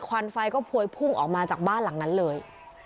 ควันไฟก็พวยพุ่งออกมาจากบ้านหลังนั้นเลย